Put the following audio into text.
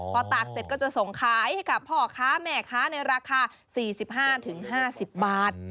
พอตากเสร็จก็จะส่งขายให้กับพ่อค้าแม่ค้าในราคา๔๕๕๐บาท